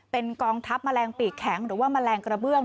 เป็นกองทัพแมลงปีกแข็งหรือว่าแมลงกระเบื้อง